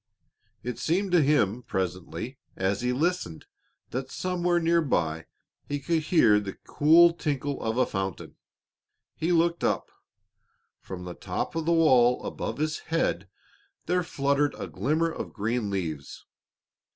It seemed to him presently, as he listened, that somewhere near by he could hear the cool tinkle of a fountain; he looked up, from the top of the wall above his head there fluttered a glimmer of green leaves.